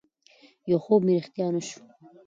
يو خوب مې رښتيا نه شو